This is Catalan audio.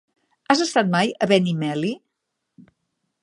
Has estat mai a Benimeli?